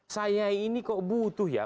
saya ini kok butuh ya